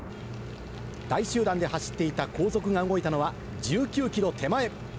大集団で走っていた後続が動いたのは、１９キロ手前。